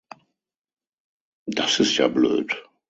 Das ist ja blöd.